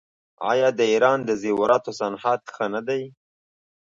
آیا د ایران د زیوراتو صنعت ښه نه دی؟